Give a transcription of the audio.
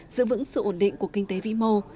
giữ vững sự ổn định của kinh tế vĩ mô